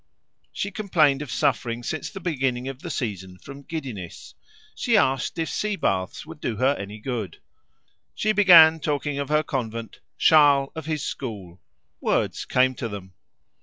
She complained of suffering since the beginning of the season from giddiness; she asked if sea baths would do her any good; she began talking of her convent, Charles of his school; words came to them.